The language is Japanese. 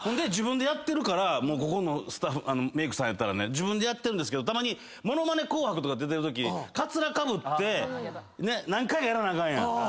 自分でやってるからここのメイクさんやったらね自分でやってるんですけどたまに『ものまね紅白』とか出てるときカツラかぶって何回かやらなあかんやん。